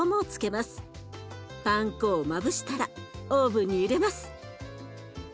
パン粉をまぶしたらオーブンに入れます。